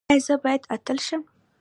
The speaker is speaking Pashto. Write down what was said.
ایا زه باید اتل شم؟